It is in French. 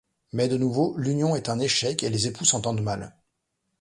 Mais de nouveau, l'union est un échec et les époux s'entendent mal.